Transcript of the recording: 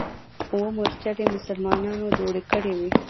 اوه مورچلې مسلمانانو جوړې کړې وې.